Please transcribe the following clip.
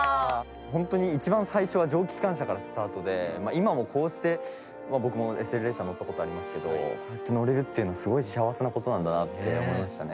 ホントに一番最初は蒸気機関車からスタートで今もこうして僕もＳＬ列車乗ったことありますけどこうやって乗れるっていうのはすごい幸せなことなんだなって思いましたね。